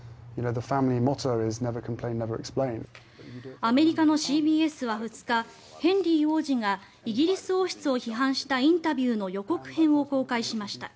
アメリカのＣＢＳは２日ヘンリー王子がイギリス王室を批判したインタビューの予告編を公開しました。